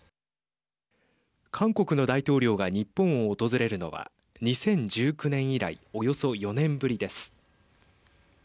韓国の大統領が日本を訪れるのは２０１９年以来およそ４年ぶりです。